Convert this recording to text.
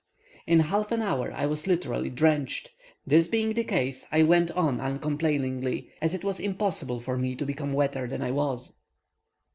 In half an hour I was literally drenched; this being the case, I went on uncomplainingly, as it was impossible for me to become wetter than I was.